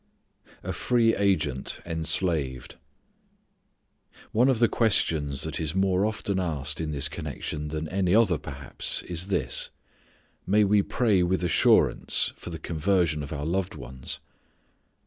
A Free Agent Enslaved. One of the questions that is more often asked in this connection than any other perhaps is this: may we pray with assurance for the conversion of our loved ones?